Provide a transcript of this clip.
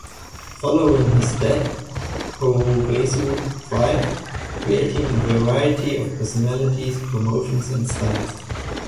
Following his death, Puroresu thrived, creating a variety of personalities, promotions and styles.